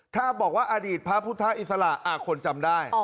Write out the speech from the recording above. ถ้าบอกว่าอดีตพระพุทธอิสระคนจำได้